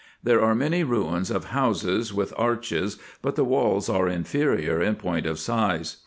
There are many ruins of houses with arches, but the walls are inferior in point of size.